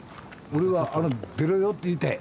俺は「出ろよ！」と言いたい。